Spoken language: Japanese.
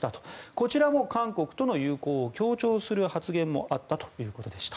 こちらも韓国との友好を強調する発言もあったということでした。